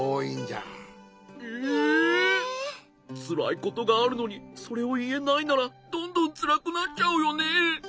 つらいことがあるのにそれをいえないならどんどんつらくなっちゃうよね。